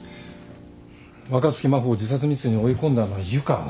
若槻真帆を自殺未遂に追い込んだのは湯川。